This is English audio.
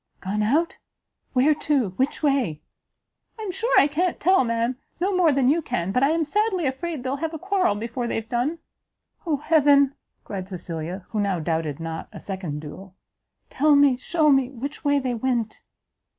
"Gone out? where to? which way?" "I am sure I can't tell, ma'am, no more than you can; but I am sadly afraid they'll have a quarrel before they've done." "Oh heaven!" cried Cecilia, who now doubted not a second duel, "tell me, shew me, which way they went?"